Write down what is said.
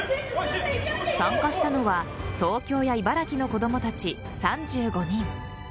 参加したのは東京や茨城の子供たち３５人。